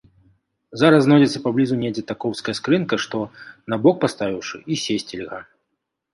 Зараз знойдзецца паблізу недзе такоўская скрынка, што, на бок паставіўшы, і сесці льга.